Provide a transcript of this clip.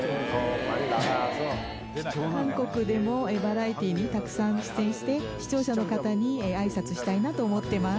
韓国でもバラエティーにたくさん出演して、視聴者の方にあいさつしたいなと思ってます。